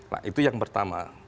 nah itu yang pertama